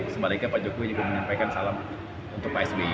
sementara itu pak jokowi juga menyampaikan salam untuk pak sbi